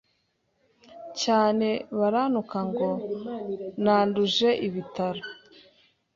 cyane barantuka ngo nanduje ibitaro,